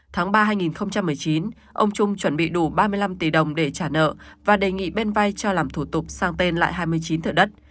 tháng ba hai nghìn một mươi chín ông trung chuẩn bị đủ ba mươi năm tỷ đồng để trả nợ và đề nghị bên vai cho làm thủ tục sang tên lại hai mươi chín thửa đất